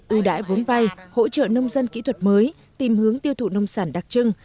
ưu đãi vốn vay hỗ trợ nông dân kỹ thuật mới tìm hướng tiêu thụ nông sản đặc trưng